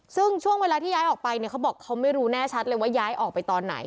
ซึ่งช่วงเวลาที่ย้ายออกไปเนี่ยเขาบอกเขาไม่รู้แน่ชัดเลยว่าย้ายออกไปตอนไหน